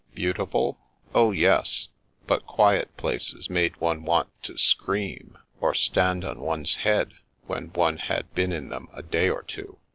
Beautiful ? Oh, yes ; but quiet places made one want to scream or stand on one's head when one had been in them a day or two.